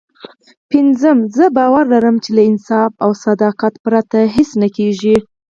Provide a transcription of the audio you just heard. پينځم زه باور لرم چې له انصاف او صداقت پرته هېڅ نه کېږي.